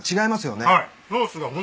はい。